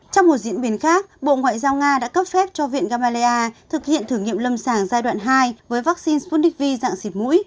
trong một diễn biến khác bộ ngoại giao nga đã cấp phép cho viện gamaleya thực hiện thử nghiệm lâm sàng giai đoạn hai với vaccine sputnik v dạng xịt mũi